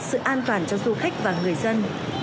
sự an toàn cho du khách và người dân